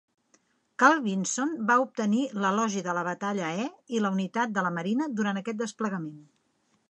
"Carl Vinson" va obtenir l'Elogi de la Batalla E i la Unitat de la Marina durant aquest desplegament.